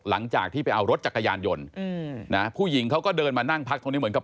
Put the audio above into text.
หลังจากที่ไปเอารถจักรยานยนต์ผู้หญิงเขาก็เดินมานั่งพักตรงนี้เหมือนกับ